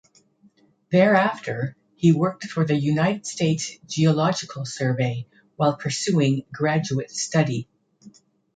Thereafter he worked for the United States Geological Survey while pursuing graduate study.